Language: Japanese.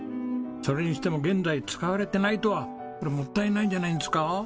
それにしても現在使われてないとはこれもったいないんじゃないんですか？